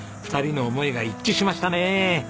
２人の思いが一致しましたね。